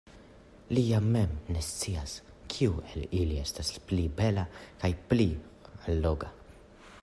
Li jam mem ne scias, kiu el ili estas pli bela kaj pli alloga.